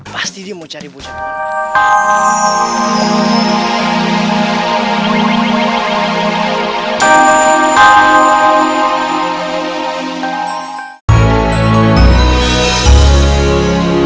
pasti dia mau cari bocah gue